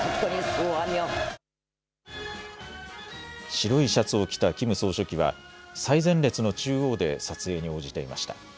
白いシャツを着たキム総書記は最前列の中央で撮影に応じていました。